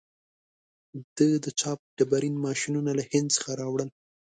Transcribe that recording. ده د چاپ ډبرین ماشینونه له هند څخه راوړل.